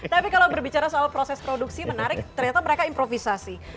tapi kalau berbicara soal proses produksi menarik ternyata mereka improvisasi